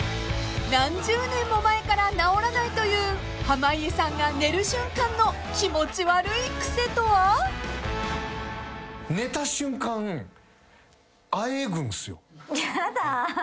［何十年も前から直らないという濱家さんが寝る瞬間の気持ち悪い癖とは？］やだ。